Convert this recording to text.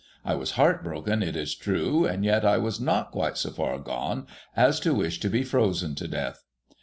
I was heart broken, it is true, and yet I was not quite so far gone as to wish to be frozen to death.